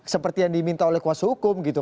seperti yang diminta oleh kuasa hukum gitu